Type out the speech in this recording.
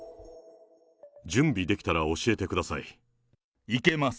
準備できたら教えてください。